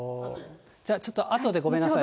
ちょっとあとで、ごめんなさい。